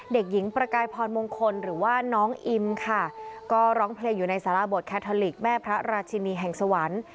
เด็กหญิงประกายพรมงคลหรือว่าน้องอิมค่ะก็ร้องเพลงอยู่ในสารบทแคทอลิกแม่พระราชินีแห่งสวรรค์